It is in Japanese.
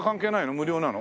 無料なの？